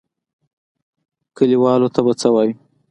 کليوالو ته به څه وايو.